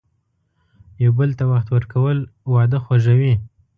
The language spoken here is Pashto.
یو بل ته وخت ورکول، واده خوږوي.